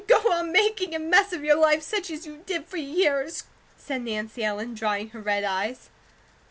"And go on making a mess of your life such as you did for years," said Nancy Ellen, drying her red eyes.